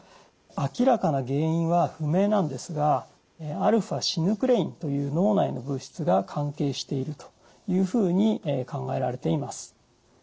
明らかな原因は不明なんですがαシヌクレインという脳内の物質が関係しているというふうに考えられています。